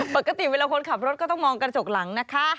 ปกติเวลาคนขับรถก็ต้องมองกระจกหลังนะคะ